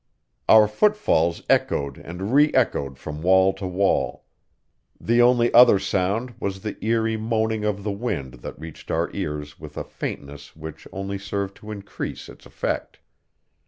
Our footfalls echoed and reechoed from wall to wall; the only other sound was the eery moaning of the wind that reached our ears with a faintness which only served to increase its effect.